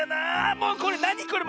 もうこれなにこれ！